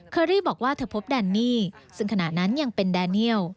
อรี่บอกว่าเธอพบแดนนี่ซึ่งขณะนั้นยังเป็นแดเนียล